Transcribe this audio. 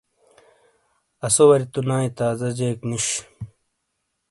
آسو وری تو نائی تازہ جیک نوش ۔